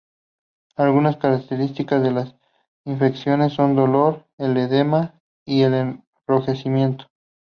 Algunas características de las infecciones son el dolor, el edema y el enrojecimiento.